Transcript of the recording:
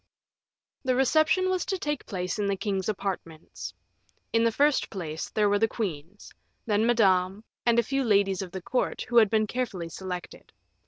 The reception was to take place in the king's apartments. In the first place, there were the queens, then Madame, and a few ladies of the court, who had been carefully selected.